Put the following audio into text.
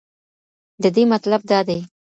ددې مطلب دا دی.